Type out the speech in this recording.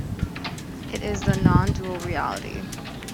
It is the "nondual reality".